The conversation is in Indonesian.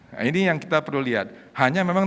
nah ini yang kita perlu lihat hanya memang